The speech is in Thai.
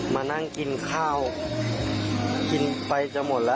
มานั่งกินข้าวกินไปจะหมดแล้ว